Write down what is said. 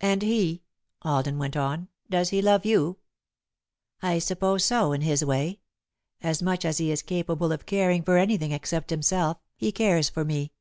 "And he " Alden went on. "Does he love you?" "I suppose so, in his way. As much as he is capable of caring for anything except himself, he cares for me."